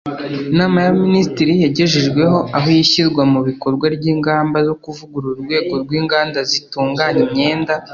Inama y’Abaminisitiri yagejejweho aho ishyirwa mu bikorwa ry’ingamba zo kuvugurura Urwego rw’Inganda zitunganya Imyenda